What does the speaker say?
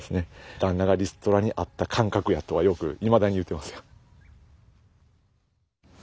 「旦那がリストラにあった感覚や」とはよくいまだに言うてますよ。